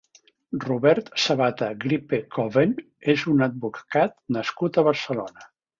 Robert Sabata Gripekoven és un advocat nascut a Barcelona.